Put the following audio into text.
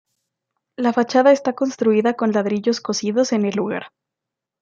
La fachada está construida con ladrillos cocidos en el lugar.